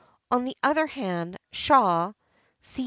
On the other hand, Shaw, C.